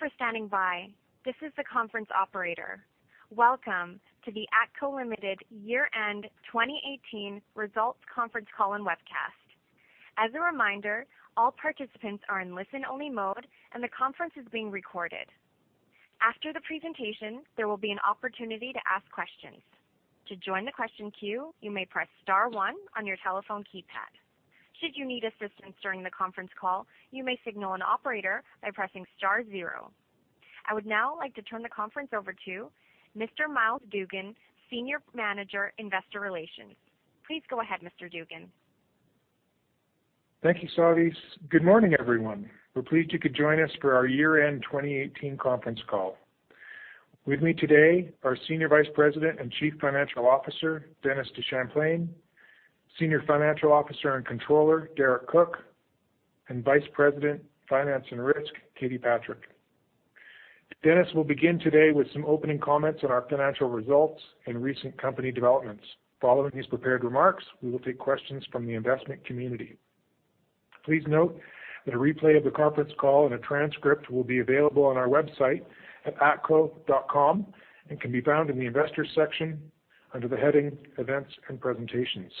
Thank you for standing by. This is the conference operator. Welcome to the ATCO Ltd. Year-End 2018 Results Conference Call and Webcast. As a reminder, all participants are in listen-only mode, and the conference is being recorded. After the presentation, there will be an opportunity to ask questions. To join the question queue, you may press star one on your telephone keypad. Should you need assistance during the conference call, you may signal an operator by pressing star zero. I would now like to turn the conference over to Mr. Myles Dougan, Senior Manager, Investor Relations. Please go ahead, Mr. Dougan. Thank you, Savvis. Good morning, everyone. We're pleased you could join us for our year-end 2018 conference call. With me today, our Senior Vice President and Chief Financial Officer, Dennis DeChamplain, Senior Financial Officer and Controller, Derek Cook, and Vice President, Finance and Risk, Katie Patrick. Dennis will begin today with some opening comments on our financial results and recent company developments. Following these prepared remarks, we will take questions from the investment community. Please note that a replay of the conference call and a transcript will be available on our website at atco.com and can be found in the investors section under the heading Events and Presentations.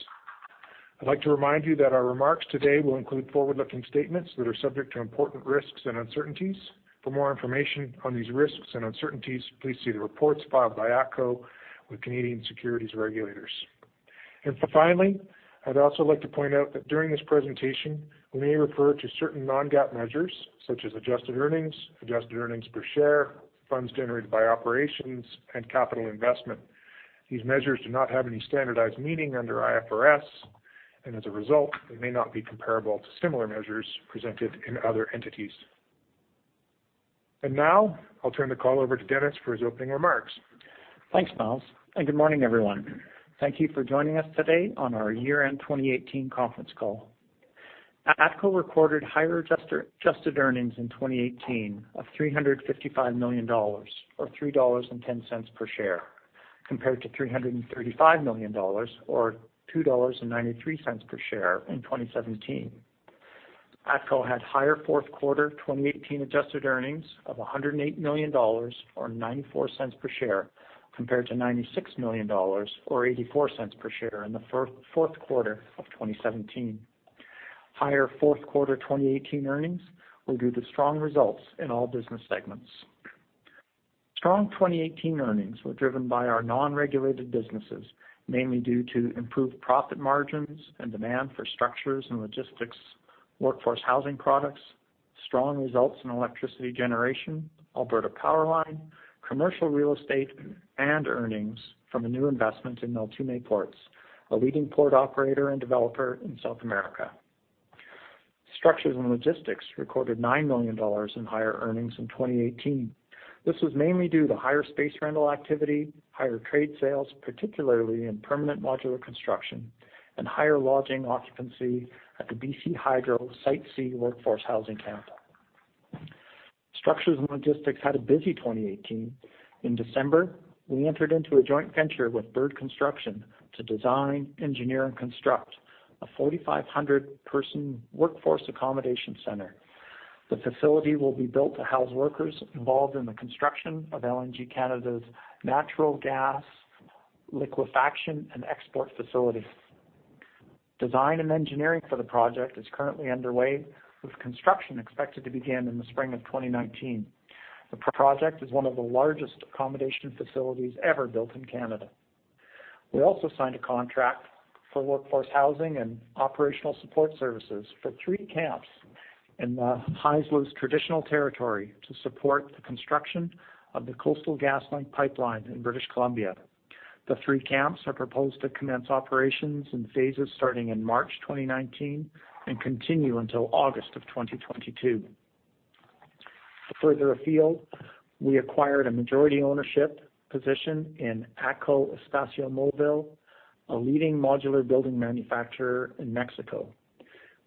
I'd like to remind you that our remarks today will include forward-looking statements that are subject to important risks and uncertainties. For more information on these risks and uncertainties, please see the reports filed by ATCO with Canadian Securities regulators. Finally, I'd also like to point out that during this presentation, we may refer to certain non-GAAP measures such as adjusted earnings, adjusted earnings per share, funds generated by operations, and capital investment. These measures do not have any standardized meaning under IFRS, and as a result, they may not be comparable to similar measures presented in other entities. Now, I'll turn the call over to Dennis for his opening remarks. Thanks, Myles. Good morning, everyone. Thank you for joining us today on our year-end 2018 conference call. ATCO recorded higher adjusted earnings in 2018 of $355 million or $3.10 per share, compared to $335 million or $2.93 per share in 2017. ATCO had higher fourth-quarter 2018 adjusted earnings of $108 million or $0.94 per share, compared to $96 million or $0.84 per share in the fourth quarter of 2017. Higher fourth-quarter 2018 earnings were due to strong results in all business segments. Strong 2018 earnings were driven by our non-regulated businesses, mainly due to improved profit margins and demand for Structures and Logistics, workforce housing products, strong results in electricity generation, Alberta PowerLine, commercial real estate, and earnings from a new investment in Neltume Ports, a leading port operator and developer in South America. Structures and Logistics recorded $9 million in higher earnings in 2018. This was mainly due to higher space rental activity, higher trade sales, particularly in permanent modular construction, and higher lodging occupancy at the BC Hydro Site C workforce housing camp. Structures and Logistics had a busy 2018. In December, we entered into a joint venture with Bird Construction to design, engineer, and construct a 4,500-person workforce accommodation center. The facility will be built to house workers involved in the construction of LNG Canada's natural gas liquefaction and export facility. Design and engineering for the project is currently underway, with construction expected to begin in the spring of 2019. The project is one of the largest accommodation facilities ever built in Canada. We also signed a contract for workforce housing and operational support services for three camps in the Haisla traditional territory to support the construction of the Coastal GasLink pipeline in British Columbia. The three camps are proposed to commence operations in phases starting in March 2019 and continue until August of 2022. Further afield, we acquired a majority ownership position in ATCO Espaciomovil, a leading modular building manufacturer in Mexico.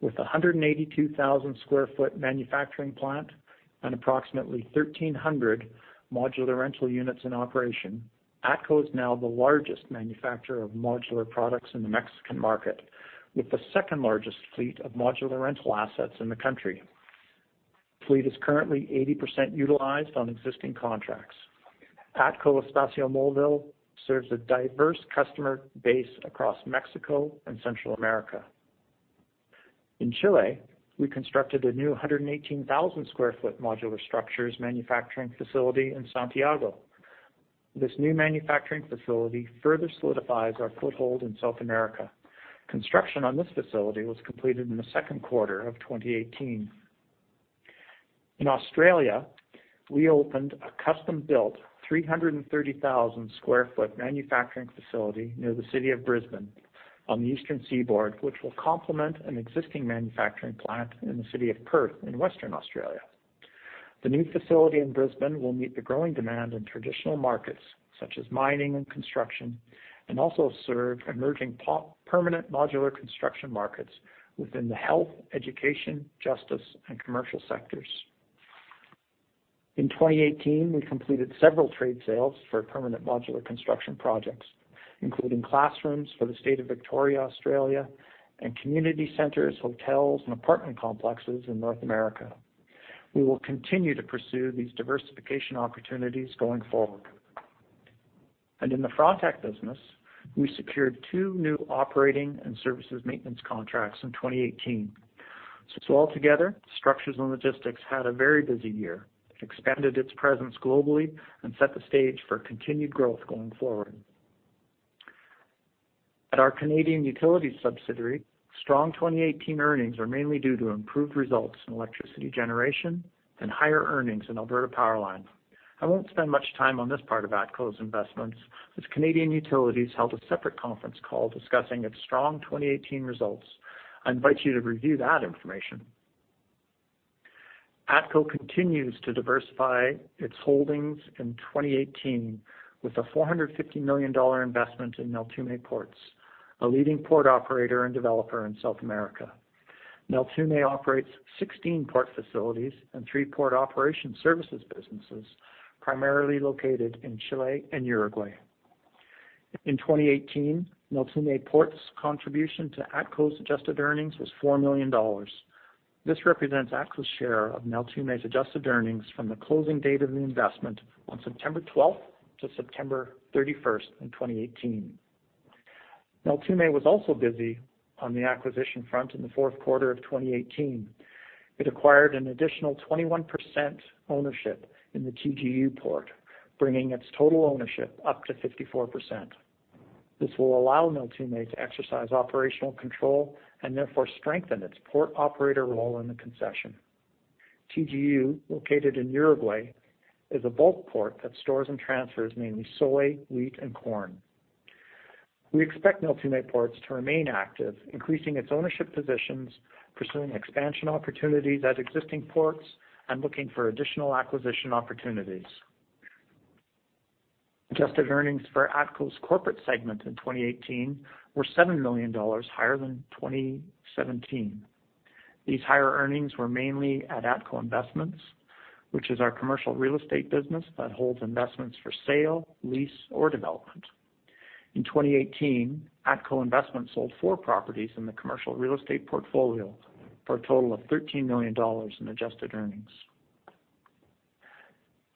With a 182,000 square foot manufacturing plant and approximately 1,300 modular rental units in operation, ATCO is now the largest manufacturer of modular products in the Mexican market, with the second-largest fleet of modular rental assets in the country. Fleet is currently 80% utilized on existing contracts. ATCO Espaciomovil serves a diverse customer base across Mexico and Central America. In Chile, we constructed a new 118,000 sq ft modular structures manufacturing facility in Santiago. This new manufacturing facility further solidifies our foothold in South America. Construction on this facility was completed in the second quarter of 2018. In Australia, we opened a custom-built 330,000 sq ft manufacturing facility near the city of Brisbane on the Eastern Seaboard, which will complement an existing manufacturing plant in the city of Perth in Western Australia. The new facility in Brisbane will meet the growing demand in traditional markets such as mining and construction and also serve emerging permanent modular construction markets within the health, education, justice, and commercial sectors. In 2018, we completed several trade sales for permanent modular construction projects, including classrooms for the state of Victoria, Australia, and community centers, hotels and apartment complexes in North America. We will continue to pursue these diversification opportunities going forward. In the Frontec business, we secured two new operating and services maintenance contracts in 2018. Altogether, Structures & Logistics had a very busy year, expanded its presence globally and set the stage for continued growth going forward. At our Canadian Utilities subsidiary, strong 2018 earnings are mainly due to improved results in electricity generation and higher earnings in Alberta PowerLine. I won't spend much time on this part of ATCO's investments, as Canadian Utilities held a separate conference call discussing its strong 2018 results. I invite you to review that information. ATCO continues to diversify its holdings in 2018 with a $450 million investment in Neltume Ports, a leading port operator and developer in South America. Neltume operates 16 port facilities and three port operation services businesses, primarily located in Chile and Uruguay. In 2018, Neltume Ports contribution to ATCO's adjusted earnings was $4 million. This represents ATCO's share of Neltume's adjusted earnings from the closing date of the investment on September 12th to September 31st in 2018. Neltume was also busy on the acquisition front in the fourth quarter of 2018. It acquired an additional 21% ownership in the TGU port, bringing its total ownership up to 54%. This will allow Neltume to exercise operational control and therefore strengthen its port operator role in the concession. TGU, located in Uruguay, is a bulk port that stores and transfers mainly soy, wheat, and corn. We expect Neltume Ports to remain active, increasing its ownership positions, pursuing expansion opportunities at existing ports, and looking for additional acquisition opportunities. Adjusted earnings for ATCO's corporate segment in 2018 were $7 million, higher than 2017. These higher earnings were mainly at ATCO Investments, which is our commercial real estate business that holds investments for sale, lease or development. In 2018, ATCO Investments sold four properties in the commercial real estate portfolio for a total of $13 million in adjusted earnings.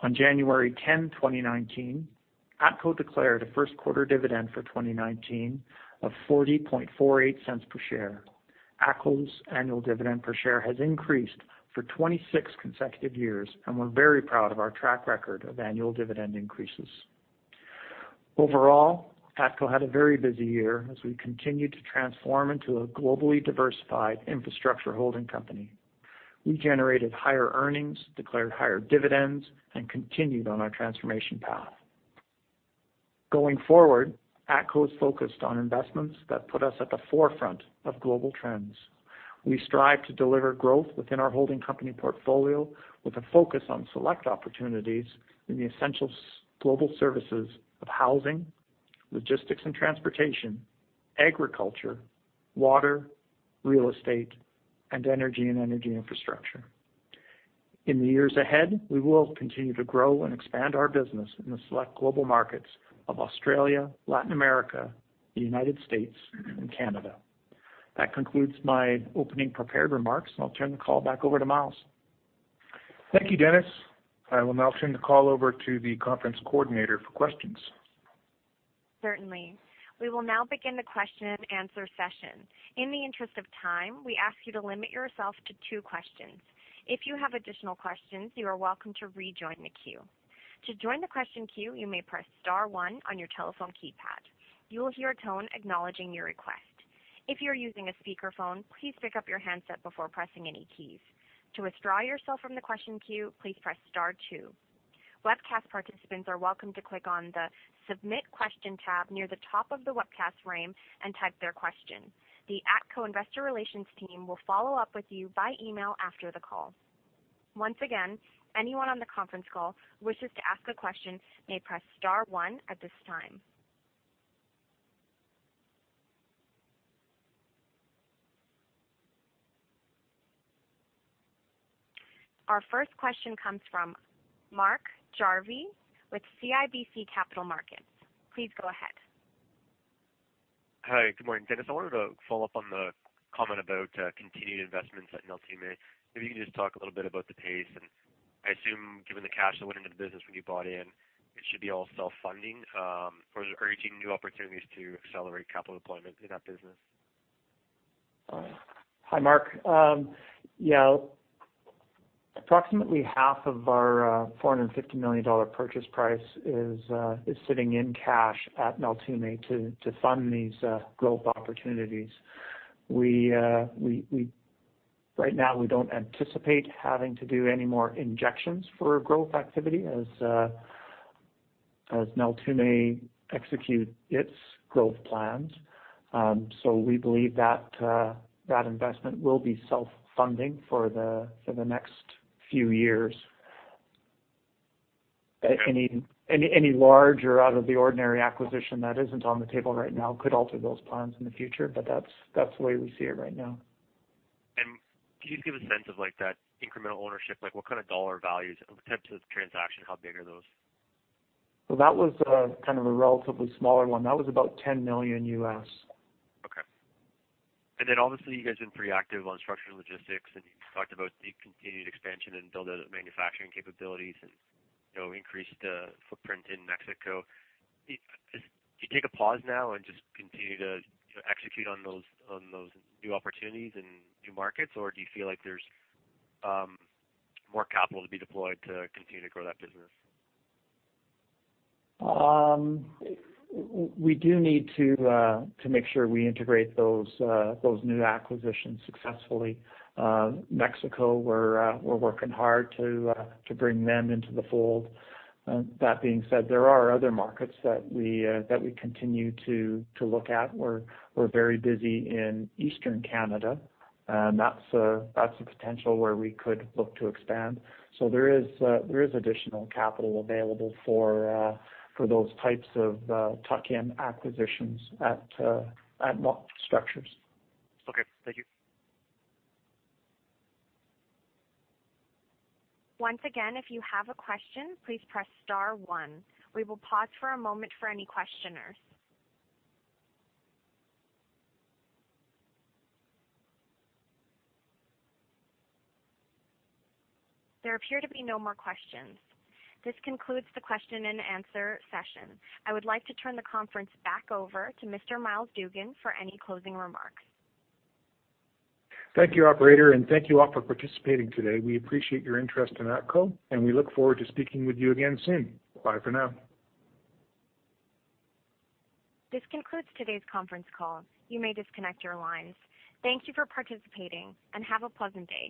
On January 10, 2019, ATCO declared a first quarter dividend for 2019 of $0.4048 per share. ATCO's annual dividend per share has increased for 26 consecutive years, and we're very proud of our track record of annual dividend increases. Overall, ATCO had a very busy year as we continued to transform into a globally diversified infrastructure holding company. We generated higher earnings, declared higher dividends, and continued on our transformation path. Going forward, ATCO is focused on investments that put us at the forefront of global trends. We strive to deliver growth within our holding company portfolio with a focus on select opportunities in the essential global services of housing, logistics and transportation, agriculture, water, real estate, and energy and energy infrastructure. In the years ahead, we will continue to grow and expand our business in the select global markets of Australia, Latin America, the United States, and Canada. That concludes my opening prepared remarks, and I'll turn the call back over to Myles. Thank you, Dennis. I will now turn the call over to the conference coordinator for questions. Certainly. We will now begin the question and answer session. In the interest of time, we ask you to limit yourself to wo questions. If you have additional questions, you are welcome to rejoin the queue. To join the question queue, you may press star one on your telephone keypad. You will hear a tone acknowledging your request. If you are using a speakerphone, please pick up your handset before pressing any keys. To withdraw yourself from the question queue, please press star two. Webcast participants are welcome to click on the Submit Question tab near the top of the webcast frame and type their question. The ATCO investor relations team will follow up with you by email after the call. Once again, anyone on the conference call wishes to ask a question, may press star one at this time. Our first question comes from Mark Jarvi with CIBC Capital Markets. Please go ahead. Hi. Good morning, Dennis. I wanted to follow up on the comment about continued investments at Neltume. Maybe you can just talk a little bit about the pace, and I assume given the cash that went into the business when you bought in, it should be all self-funding, or are you seeing new opportunities to accelerate capital deployment in that business? Hi, Mark. Yeah, approximately half of our $450 million purchase price is sitting in cash at Neltume to fund these growth opportunities. We right now, we don't anticipate having to do any more injections for growth activity as Neltume execute its growth plans. We believe that investment will be self-funding for the next few years. Okay. Any large or out of the ordinary acquisition that isn't on the table right now could alter those plans in the future, but that's the way we see it right now. Can you give a sense of like that incremental ownership? Like what kind of dollar values in terms of transaction, how big are those? That was kind of a relatively smaller one. That was about $10 million. Okay. Obviously you guys have been pretty active on structured logistics, and you talked about the continued expansion and build out of manufacturing capabilities and, you know, increased footprint in Mexico. Do you take a pause now and just continue to execute on those new opportunities and new markets? Do you feel like there's more capital to be deployed to continue to grow that business? We do need to make sure we integrate those new acquisitions successfully. Mexico, we're working hard to bring them into the fold. That being said, there are other markets that we continue to look at. We're very busy in Eastern Canada, and that's a potential where we could look to expand. There is additional capital available for those types of tuck-in acquisitions at structures. Okay. Thank you. Once again, if you have a question, please press star one. We will pause for a moment for any questioners. There appear to be no more questions. This concludes the question and answer session. I would like to turn the conference back over to Mr. Myles Dougan for any closing remarks. Thank you, operator, and thank you all for participating today. We appreciate your interest in ATCO, and we look forward to speaking with you again soon. Bye for now. This concludes today's conference call. You may disconnect your lines. Thank you for participating, and have a pleasant day.